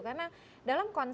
karena dalam konsep